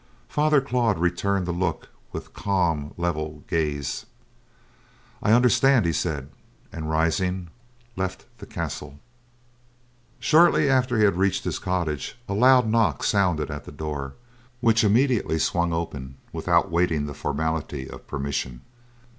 Father Claude returned the look with calm level gaze. "I understand," he said, and, rising, left the castle. Shortly after he had reached his cottage, a loud knock sounded at the door, which immediately swung open without waiting the formality of permission.